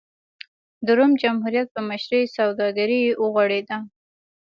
د روم جمهوریت په مشرۍ سوداګري وغوړېده.